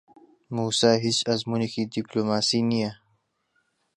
مووسا هیچ ئەزموونێکی دیپلۆماسی نییە.